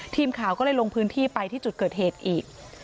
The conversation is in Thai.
ทีมข่าวก็เลยลงพื้นที่ไปที่จุดเกิดเหตุอีก